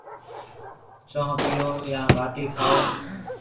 چونه پِيو يان ٻاٽِي کائون؟